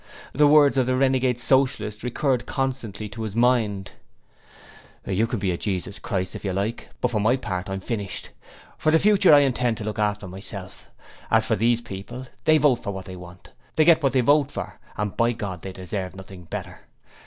The words of the renegade Socialist recurred constantly to his mind: 'You can be a Jesus Christ if you like, but for my part I'm finished. For the future I intend to look after myself. As for these people, they vote for what they want, they get what they vote for, and, by God! they deserve nothing better!